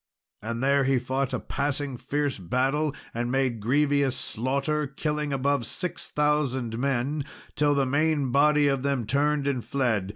And there he fought a passing fierce battle, and made grievous slaughter, killing above six thousand men, till the main body of them turned and fled.